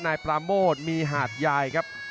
นายปราโมทมีหาดยายครับ